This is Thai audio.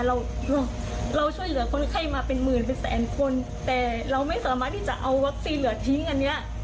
เราเราช่วยเหลือคนไข้มาเป็นหมื่นเป็นแสนคนแต่เราไม่สามารถที่จะเอาวัคซีนเหลือทิ้งอันเนี้ย